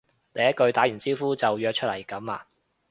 第一句打完招呼就約出嚟噉呀？